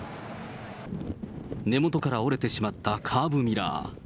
根元から折れてしまったカーブミラー。